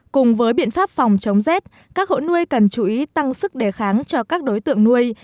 cùng với biện pháp phòng chống rét các hộ nuôi cần chú ý tăng sức đề kháng cho các đối tượng nuôi